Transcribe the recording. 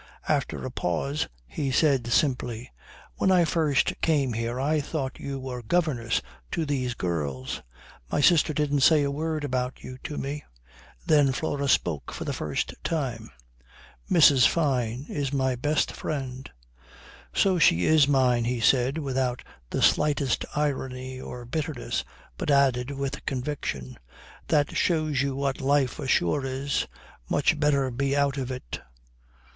After a pause he said simply: "When I first came here I thought you were governess to these girls. My sister didn't say a word about you to me." Then Flora spoke for the first time. "Mrs. Fyne is my best friend." "So she is mine," he said without the slightest irony or bitterness, but added with conviction: "That shows you what life ashore is. Much better be out of it."